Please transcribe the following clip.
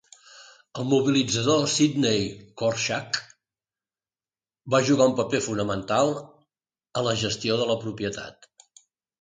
El mobilitzador Sidney Korshak va jugar un paper fonamental a la gestió de la propietat.